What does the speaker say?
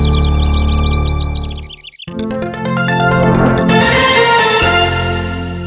โปรดติดตามตอนต่อไป